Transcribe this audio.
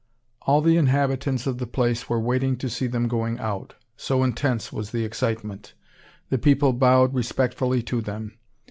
All the inhabitants of the place were waiting to see them going out, so intense was the excitement. The people bowed respectfully to them.